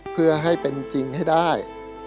เพื่อให้เป็นจริงให้ได้